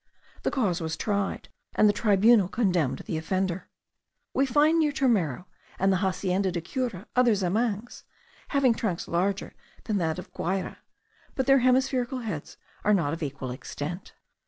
The cause was tried, and the tribunal condemned the offender. We find near Turmero and the Hacienda de Cura other zamangs, having trunks larger than that of Guayre, but their hemispherical heads are not of equal extent.